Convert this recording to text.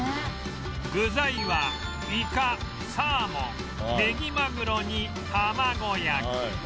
具材はイカサーモンネギマグロに卵焼き